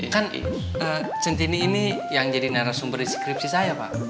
kan centini ini yang jadi narasumber deskripsi saya pak